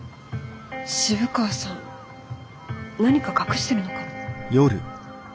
渋川さん何か隠してるのかも。